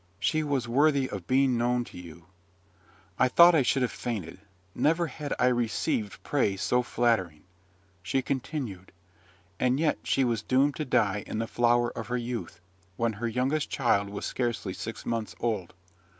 "She was worthy of being known to you." I thought I should have fainted: never had I received praise so flattering. She continued, "And yet she was doomed to die in the flower of her youth, when her youngest child was scarcely six months old.